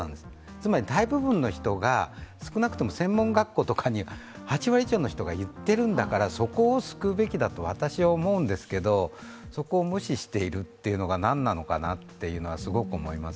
つまり大部分の人が少なくとも専門学校とかに８割以上の人が行っているんだから、そこを救うべきと私は思うんですけどそこを無視しているというのがなんなのかなってすごく思います。